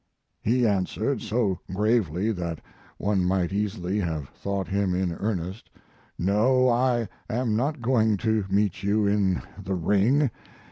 He answered, so gravely that one might easily have thought him in earnest: "No, I am not going to meet you in the ring.